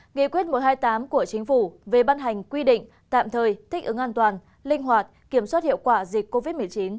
nghị quyết một trăm hai mươi tám của chính phủ về ban hành quy định tạm thời thích ứng an toàn linh hoạt kiểm soát hiệu quả dịch covid một mươi chín